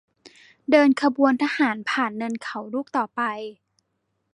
เดินขบวนทหารผ่านเนินเขาลูกต่อไป